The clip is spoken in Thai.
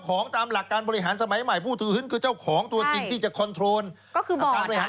คุณต้องทำงานให้ผู้ถือหุ้นคุณต้องทำงานให้ผู้ถือหุ้นคุณต้องทำงานให้ผู้ถือหุ้น